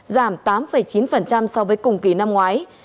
giảm tám chín so với cùng kỳ năm ngoái